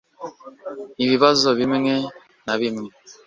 ibibazo bimwe na bimwe